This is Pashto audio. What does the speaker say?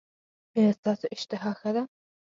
ایا ستاسو اشتها ښه ده؟